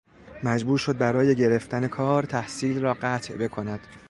مجبور شد برای گرفتن کار تحصیل را قطع بکند.